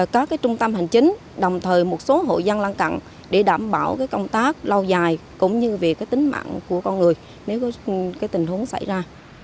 các trung tâm hành chính đồng thời một số hội dân lăn cặn để đảm bảo công tác lâu dài cũng như về tính mạng của con người nếu có tình huống xảy ra